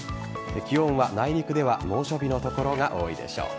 気温は内陸では猛暑日の所が多いでしょう。